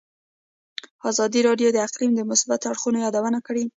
ازادي راډیو د اقلیم د مثبتو اړخونو یادونه کړې.